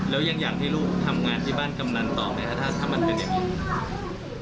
แล้วยังอยากให้ลูกทำงานที่บ้านกำนันต่อไหมคะถ้ามันเป็นอย่างนี้